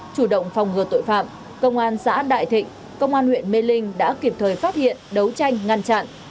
chủ động phòng ngừa tội phạm công an xã đại thịnh công an huyện mê linh đã kịp thời phát hiện đấu tranh ngăn chặn